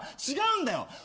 違うんだよ。